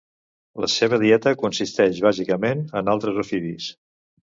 La seva dieta consisteix bàsicament en altres ofidis.